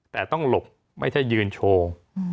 แต่ต้องหลบไม่ใช่ยืนโชว์